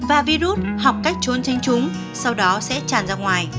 và virus học cách trốn tránh chúng sau đó sẽ tràn ra ngoài